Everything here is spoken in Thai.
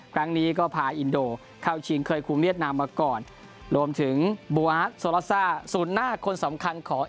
ครั้งนี้ก็พาอินโดเข้าชิงเคยคุมเมียดนามมาก่อนรวมถึงสูตรหน้าคนสำคัญของ